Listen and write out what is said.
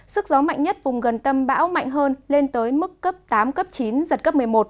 sức gió mạnh nhất vùng gần tâm bão mạnh hơn lên tới mức cấp tám cấp chín giật cấp một mươi một